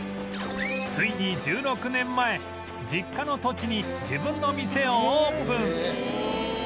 ついに１６年前実家の土地に自分の店をオープン